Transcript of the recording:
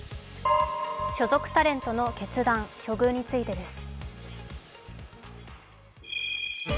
所属タレントの決断、処遇についてです。